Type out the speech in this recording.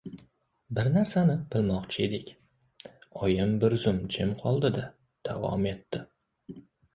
— Bir narsani bilmoqchiydik, — oyim bir zum jimib qoldi- da, davom etdi.